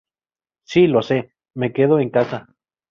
Si lo sé, me quedo en casa